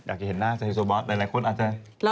อยากจะเห็นหน้าไฮโซบอสหลายคนอาจจะ